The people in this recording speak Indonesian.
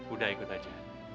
udah ikut aja